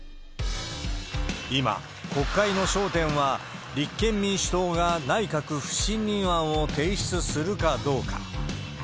今、国会の焦点は立憲民主党が内閣不信任案を提出するかどうか。